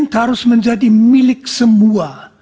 harus menjadi milik semua